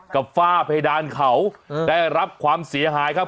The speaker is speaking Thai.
ฝ้าเพดานเขาได้รับความเสียหายครับ